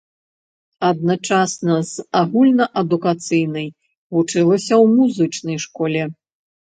Адначасна з агульнаадукацыйнай, вучылася ў музычнай школе.